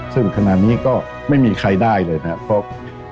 ซึ่งขณะนี้ก็ไม่มีใครได้เลยนะครับ